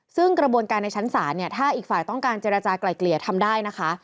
ซึ่งกระบวนการในชั้นศาลเนี่ยถ้าอีกฝ่ายต้องการเจรจากลายเกลี่ยทำได้นะคะ